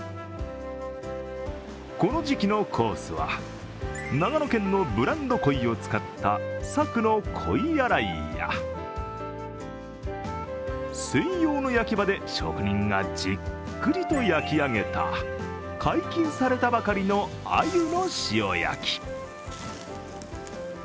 この時期のコースは、長野県のブランド鯉を使った佐久の鯉洗いや専用の焼き場で職人がじっくりと焼き上げた解禁されたばかりのあゆの塩焼き。